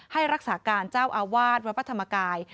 ให้รักษาการเจ้าอาวาสวัดพระธรรมกาย